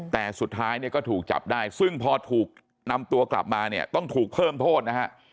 แต่สุดท้ายเนี่ยก็ถูกจับได้ซึ่งพอถูกนำตัวกลับมาเนี่ยต้องถูกเพิ่มโทษนะฮะ